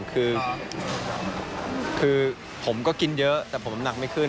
คือผมก็กินเยอะแต่ผมหนักไม่ขึ้น